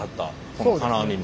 この金網も。